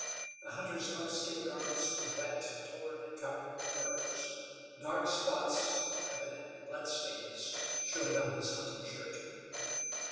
The hunter's buckskin garments were wet, torn, and covered with burrs. Dark spots, evidently blood stains, showed on his hunting shirt.